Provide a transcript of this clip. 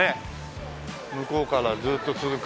向こうからずっと続く。